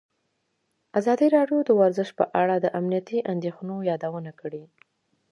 ازادي راډیو د ورزش په اړه د امنیتي اندېښنو یادونه کړې.